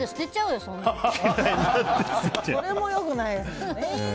それも良くないですよね。